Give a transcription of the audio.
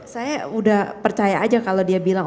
saya udah percaya aja kalau dia bilang